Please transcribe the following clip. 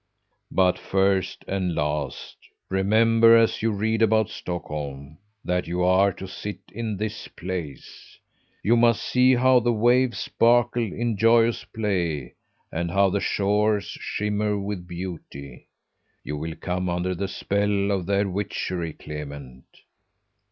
"But, first and last, remember as you read about Stockholm that you are to sit in this place. You must see how the waves sparkle in joyous play and how the shores shimmer with beauty. You will come under the spell of their witchery, Clement."